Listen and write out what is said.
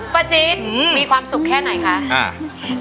ป้าจิ๊ดมีความสุขแค่ไหนคะ